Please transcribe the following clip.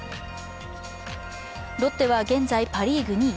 ロッテは現在パ・リーグ２位。